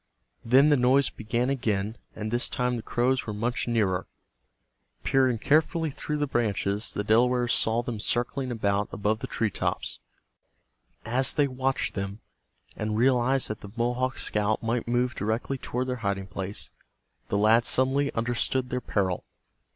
Then the noise began again, and this time the crows were much nearer. Peering carefully through the branches, the Delawares saw them circling about above the tree tops. As they watched them, and realized that the Mohawk scout might move directly toward their hiding place, the lads suddenly understood their peril.